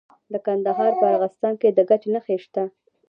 د کندهار په ارغستان کې د ګچ نښې شته.